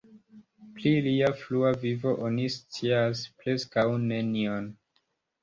Pri lia frua vivo oni scias preskaŭ nenion.